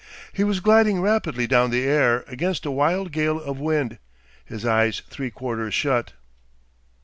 He was gliding rapidly down the air against a wild gale of wind, his eyes three quarters shut.